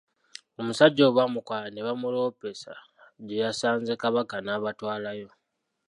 Omusajja oyo baamukwata ne bamuloopesa gye yasanze Kabaka n'abatwalayo.